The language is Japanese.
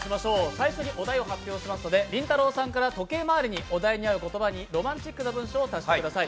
最初にお題を発表しますのでりんたろーさんから時計回りにお題に合う言葉にロマンチックな言葉を足してください。